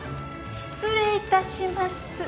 ・失礼いたします。